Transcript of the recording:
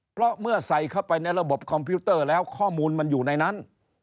เพราะเมื่อใส่เข้าไปในระบบคอมพิวเตอร์แล้วข้อมูลมันอยู่ในนั้น